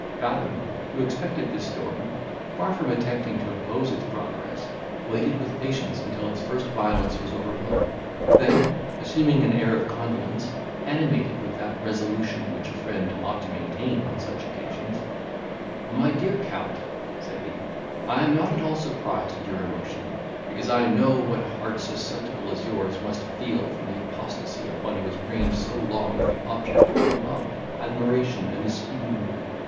Fathom, who expected this storm, far from attempting to oppose its progress, waited with patience until its first violence was overblown; then, assuming an air of condolence, animated with that resolution which a friend ought to maintain on such occasions, "My dear Count," said he, "I am not at all surprised at your emotion, because I know what an heart, susceptible as yours, must feel from the apostasy of one who has reigned so long the object of your love, admiration, and esteem.